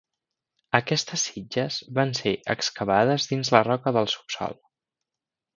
Aquestes sitges van ser excavades dins la roca del subsòl.